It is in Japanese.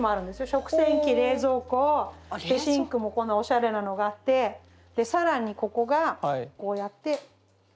食洗機冷蔵庫でシンクもこんなおしゃれなのがあってで更にここがこうやって。